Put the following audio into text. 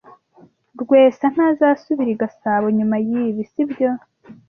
Rwesa ntazasubira i Gasabo nyuma yibi, sibyo?